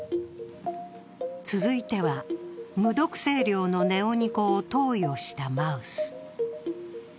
続いては、無毒性量のネオニコを投与したマウス。